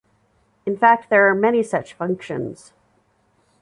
In fact there are many such functions.